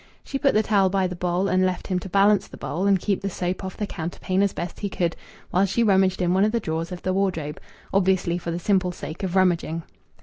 She put the towel by the bowl, and left him to balance the bowl and keep the soap off the counterpane as best he could, while she rummaged in one of the drawers of the wardrobe obviously for the simple sake of rummaging.